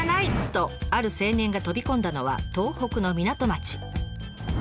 とある青年が飛び込んだのは東北の港町。